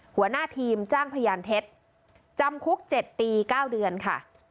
หัวหน้าทีมจ้างพยานเท็จจำคุก๗ปี๙เดือนค่ะ